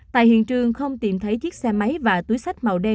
tại hiện trường không tìm thấy chiếc xe máy và túi sách màu đen